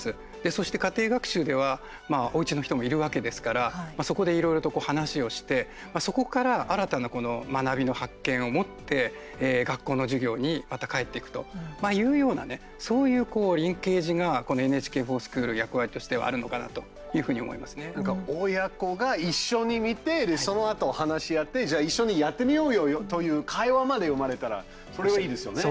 そして、家庭学習ではおうちの人もいるわけですからそこでいろいろと話をしてそこから新たな学びの発見を持って、学校の授業にまた帰っていくというようなねそういうリンケージが、この「ＮＨＫｆｏｒＳｃｈｏｏｌ」の役割としてはあるのかなという親子が一緒に見てそのあと話し合ってじゃあ一緒にやってみようよという会話まで生まれたらそれはいいですよね。